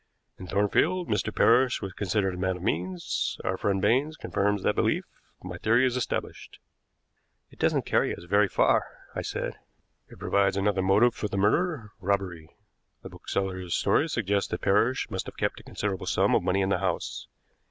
In Thornfield Mr. Parrish was considered a man of means; our friend Baines confirms that belief. My theory is established." "It doesn't carry us very far," I said. "It provides another motive for the murder robbery. The bookseller's story suggests that Parrish must have kept a considerable sum of money in the house.